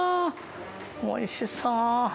おいしそう！